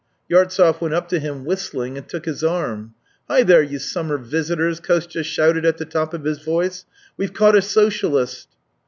Yartsev went up to him whistling, and took his arm. " Hi, there, you summer visitors !" Kostya shouted at the top of his voice. " We've caught a socialist."